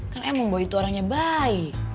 kan emang bahwa itu orangnya baik